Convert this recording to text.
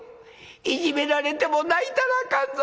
いじめられても泣いたらあかんぞ。